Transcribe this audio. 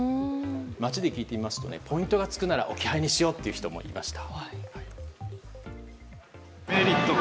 街で聞いてみますとポイントがつくなら置き配にしようって人もいました。